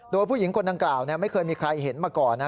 โดยผู้หญิงคนดังกล่าวไม่เคยมีใครเห็นมาก่อน